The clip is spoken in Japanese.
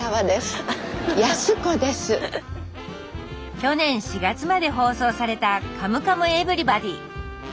去年４月まで放送された「カムカムエヴリバディ」